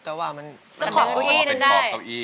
ส่วนช่องกุ้ยนึงได้